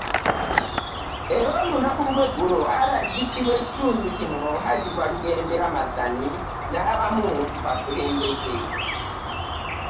Era olunaku lw'eggulo RDC w'ekitundu kino, Hajji Walugembe Ramathan n'abamu ku bakulembeze